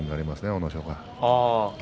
阿武咲は。